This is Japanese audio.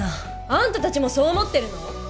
あんたたちもそう思ってるの！？